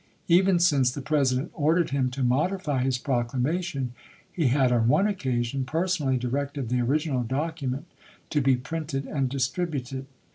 Even since the President ordered him to modify his proclamation, he had on one occasion personally directed the original document to be printed and distributed.